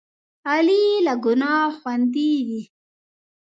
غلی، له ګناه خوندي وي.